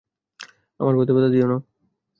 আমার পথে বাধা দিয়ো না।